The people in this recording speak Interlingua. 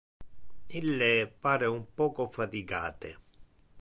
Ille pare un poco fatigate.